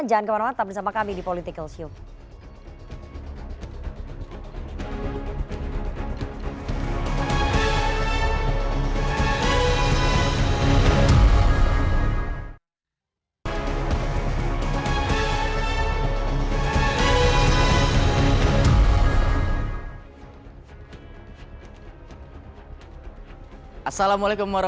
jangan kemana mana tetap bersama kami di political show